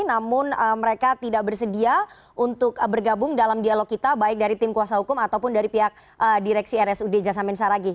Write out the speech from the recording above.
namun mereka tidak bersedia untuk bergabung dalam dialog kita baik dari tim kuasa hukum ataupun dari pihak direksi rsud jasamen saragi